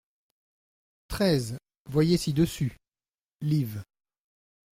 treize Voyez ci-dessus, liv.